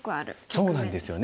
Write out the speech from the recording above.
そうなんですよね。